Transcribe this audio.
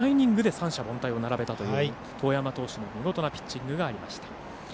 なんと９イニング中７イニングで三者凡退を並べたという當山投手の見事なピッチングがありました。